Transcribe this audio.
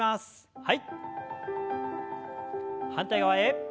はい。